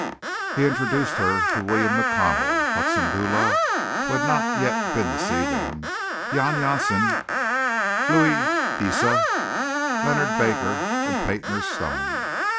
He introduced to her William McConnell, Hudson Dula, who had not yet been to see them, Jan Jansen, Louis Deesa, Leonard Baker and Paynter Stone.